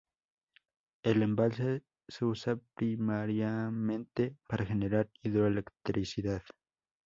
El embalse se usa primariamente para generar hidroelectricidad.